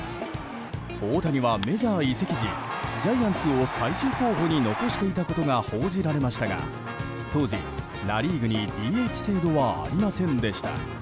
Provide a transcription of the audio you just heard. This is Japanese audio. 大谷は、メジャー移籍時ジャイアンツを最終候補に残していたことが報じられましたが当時、ナ・リーグにＤＨ制度はありませんでした。